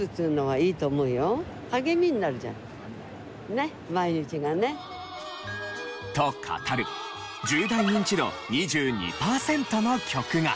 ねっ毎日がね。と語る１０代ニンチド２２パーセントの曲が。